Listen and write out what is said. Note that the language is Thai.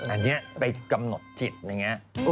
อันนี้ไปกำหนดจิตอย่างนี้